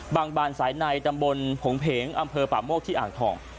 บานสายในตำบลผงเพงอำเภอป่าโมกที่อ่างทอง